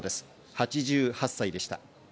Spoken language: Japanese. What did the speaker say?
８８歳でした。